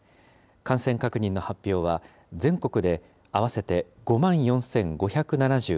感染確認の発表は、全国で合わせて５万４５７６人。